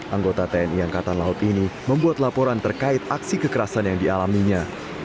anggota tni angkatan laut ini membuat laporan terkait aksi kekerasan yang dialaminya